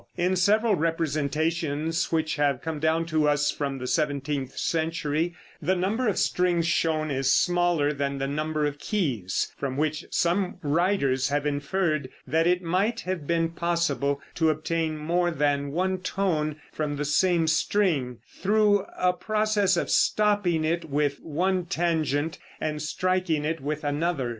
In several representations which have come down to us from the seventeenth century, the number of strings shown is smaller than the number of keys, from which some writers have inferred that it might have been possible to obtain more than one tone from the same string, through a process of stopping it with one tangent and striking it with another.